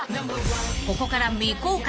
［ここから未公開］